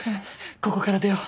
ここから出よう。